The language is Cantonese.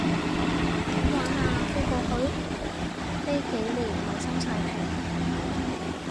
點玩啊，飛過去？呢幾年咪收晒皮